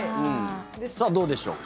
さあ、どうでしょうか。